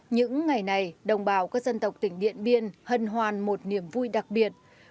những ngày này đồng bào các dân tộc tỉnh điện biên hân hoan một niềm vui đặc biệt